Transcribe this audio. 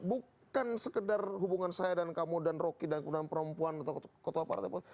bukan sekedar hubungan saya dan kamu dan roky dan perempuan atau ketua partai